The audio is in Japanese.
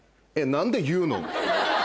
何で言うの？